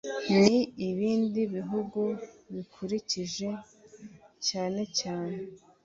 n ibindi bihugu birukikije cyanecyane